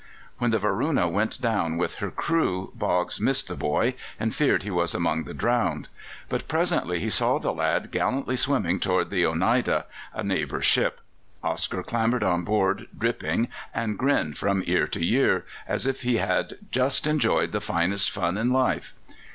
When the Varuna went down with her crew Boggs missed the boy, and feared he was among the drowned. But presently he saw the lad gallantly swimming towards the Oneida, a neighbour ship. Oscar clambered on board, dripping and grinning from ear to ear, as if he had just enjoyed the finest fun in life.